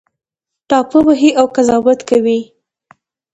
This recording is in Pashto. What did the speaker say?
ټاپه وهي او قضاوت کوي